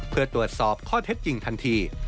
เพื่อตรวจสอบข้อเท็จจริงทันที